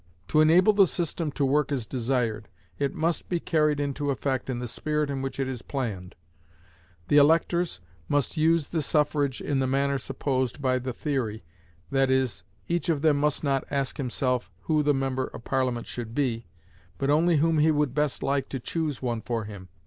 To enable the system to work as desired, it must be carried into effect in the spirit in which it is planned; the electors must use the suffrage in the manner supposed by the theory, that is, each of them must not ask himself who the member of Parliament should be, but only whom he would best like to choose one for him.